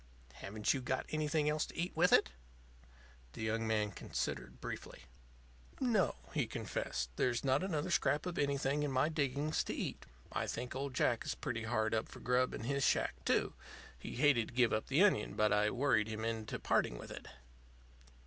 "Haven't you got anything else to eat with it?" The young man considered briefly. "No," he confessed; "there's not another scrap of anything in my diggings to eat. I think old Jack is pretty hard up for grub in his shack, too. He hated to give up the onion, but I worried him into parting with it."